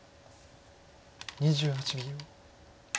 ２８秒。